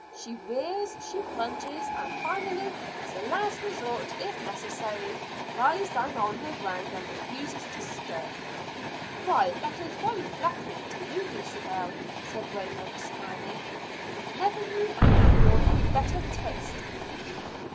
She rears, she plunges, and finally as a last resort, if necessary, lies down on the ground and refuses to stir. "Why, that is very flattering to you, Dulcibel," said Raymond smiling. "I never knew an animal of better taste."